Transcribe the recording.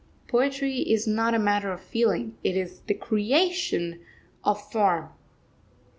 Poetry is not a matter of feeling, it is the creation of form.